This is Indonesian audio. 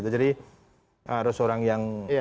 jadi harus orang yang